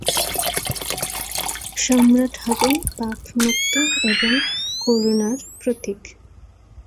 সম্রাট হবেন পাপমুক্ত এবং করুণার প্রতীক।